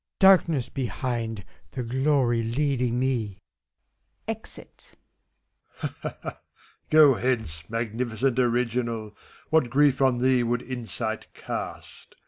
Darkness behind, the Glory leading me ! [Exit. MEPHISTOPHELES. Go hence, magnificent Original! — What grief on thee would insight cast!